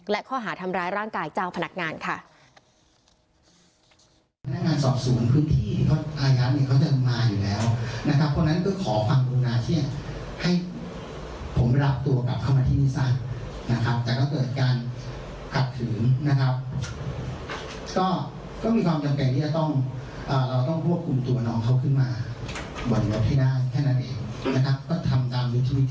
และข้อหาทำร้ายร่างกายเจ้าพนักงานค่ะ